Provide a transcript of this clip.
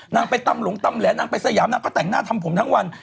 นางไปตำหลงตำแหลนางไปสยามนางก็แต่งหน้าทำผมทั้งวัน